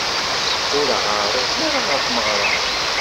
Ur ɣ-ɛriḍen ɣer tmeɣra.